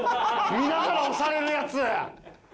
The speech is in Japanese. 見ながら押されるやつ。